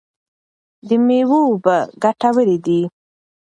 د مېوو اوبه ګټورې دي.